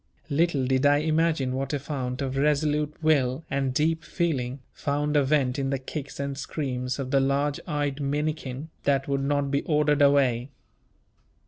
Little did I imagine what a fount of resolute will, and deep feeling, found a vent in the kicks and screams of the large eyed minnikin, that would not be ordered away.